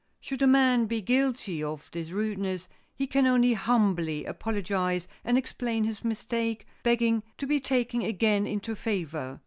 Should a man be guilty of this rudeness he can only humbly apologize and explain his mistake, begging to be taken again into favor.